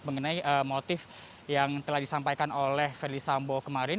mengenai motif yang telah disampaikan oleh ferdis samboy kemarin